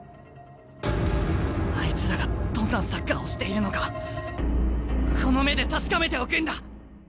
あいつらがどんなサッカーをしているのかこの目で確かめておくんだ！